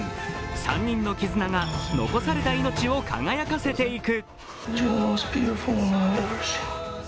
３人の絆が残された命を輝かせていく。